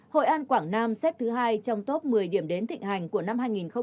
hội an quảng nam xếp thứ hai trong top một mươi điểm đến thịnh hành của năm hai nghìn hai mươi